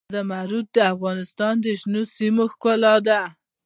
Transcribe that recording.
زمرد د افغانستان د شنو سیمو ښکلا ده.